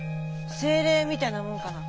精霊みたいなもんかな。